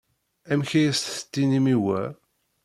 Amek ay as-tettinim i wa?